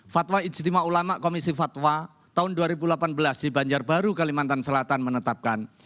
fatwa ijtima ulama komisi fatwa tahun dua ribu delapan belas di banjarbaru kalimantan selatan menetapkan